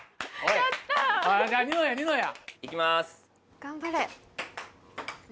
頑張れ。